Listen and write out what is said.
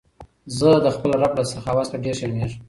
زه د خپل رب له سخاوت څخه ډېر شرمېږم.